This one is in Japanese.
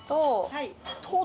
はい。